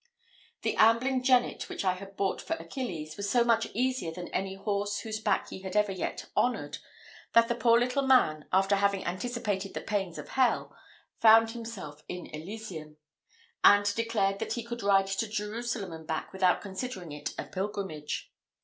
The ambling jennet which I had bought for Achilles was so much easier than any horse whose back he had ever yet honoured, that the poor little man, after having anticipated the pains of hell, found himself in elysium; and declared that he could ride to Jerusalem and back without considering it a pilgrimage.